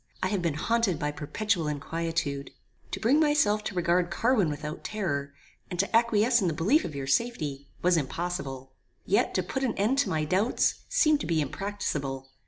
I have been haunted by perpetual inquietude. To bring myself to regard Carwin without terror, and to acquiesce in the belief of your safety, was impossible. Yet to put an end to my doubts, seemed to be impracticable.